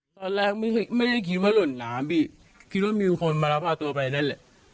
ตอนแรกไม่ได้คิดว่าหล่นน้ำคิดว่ามีคนมารับพาตัวไปได้เลย